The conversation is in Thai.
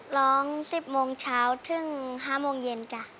ร้อง๑๐โมงเช้าถึง๕โมงเย็นจ้ะ